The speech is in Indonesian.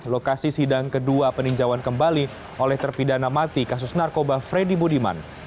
lokasi sidang kedua peninjauan kembali oleh terpidana mati kasus narkoba freddy budiman